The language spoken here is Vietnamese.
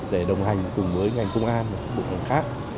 để đồng hành cùng với ngành công an và các bộ ngành khác